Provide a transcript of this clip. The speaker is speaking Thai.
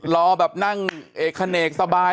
รอแบบนั่งเอกขเนกสบาย